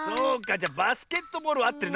じゃバスケットボールはあってるな。